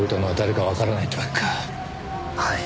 はい。